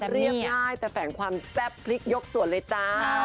เรียบง่ายแต่แฝงความแซ่บพลิกยกส่วนเลยจ้า